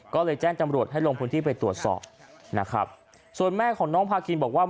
ก็เลยแจ้งจำรวจให้ลงพื้นที่ไปตรวจสอบนะครับส่วนแม่ของน้องพาคินบอกว่า